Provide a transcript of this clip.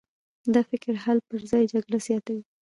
دا فکر د حل پر ځای جګړه زیاتوي.